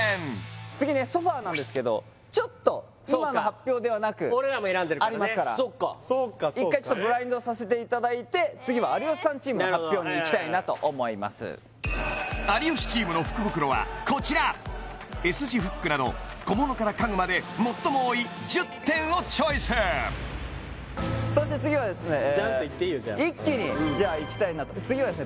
次ねソファなんですけどちょっと今の発表ではなく俺らも選んでるからねありますから一回ちょっとブラインドさせていただいて次は有吉さんチームの発表にいきたいなと思います有吉チームの福袋はこちらＳ字フックなど小物から家具まで最も多い１０点をチョイスそして次はですねジャンといっていいよじゃあ一気にじゃあいきたいなと次はですね